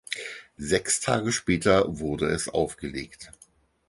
Sechs Tage später wurde es aufgelegt.